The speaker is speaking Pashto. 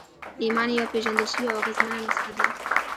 ایمان یوه پېژندل شوې او اغېزمنه نسخه ده